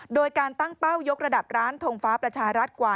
โดยการตั้งเป้ายกระดับร้านทงฟ้าประชารัฐกว่า